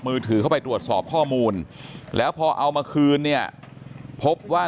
มือถือเข้าไปตรวจสอบข้อมูลแล้วพอเอามาคืนเนี่ยพบว่า